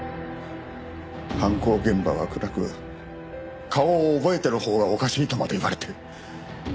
犯行現場は暗く顔を覚えているほうがおかしいとまで言われて。